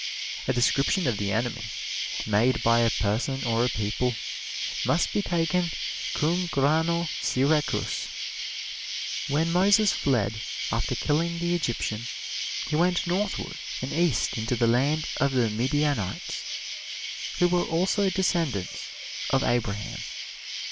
A description of the enemy, made by a person or a people, must be taken cum grano Syracuse. When Moses fled, after killing the Egyptian, he went northward and east into the land of the Midianites, who were also descendants of Abraham.